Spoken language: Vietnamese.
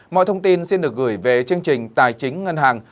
mọi thông tin xin được gửi về chương trình tài chính ngân hàng